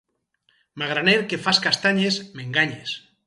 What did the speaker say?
Magraner que fas castanyes, m'enganyes.